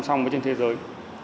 đi xong với trên thế giới